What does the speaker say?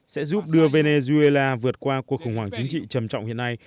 sẽ giúp đưa venezuela vượt qua cuộc khủng hoảng chính trị trầm trọng hiện nay